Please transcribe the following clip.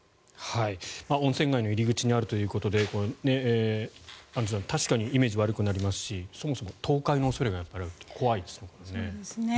温泉街の入り口にあるということでアンジュさん確かにイメージ悪くなりますしそもそも倒壊の恐れがあるって怖いですよね。